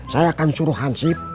saya akan suruh hansip